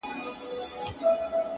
او وېره احساسوي تل،